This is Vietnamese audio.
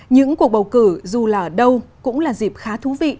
những cuộc bầu cử dù là ở đâu cũng là dịp khá thú vị